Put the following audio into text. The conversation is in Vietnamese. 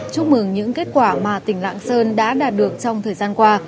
chúc mừng những kết quả mà tỉnh lạng sơn đã đạt được trong thời gian qua